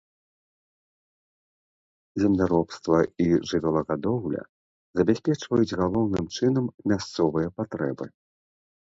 Земляробства і жывёлагадоўля забяспечваюць галоўным чынам мясцовыя патрэбы.